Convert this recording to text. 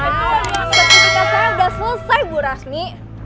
setidaknya saya udah selesai bu rasmi